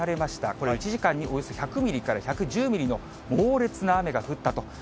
これ、１時間におよそ１００ミリから１１０ミリの猛烈な雨が降ったと。